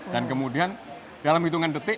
dan kemudian dalam hitungan detik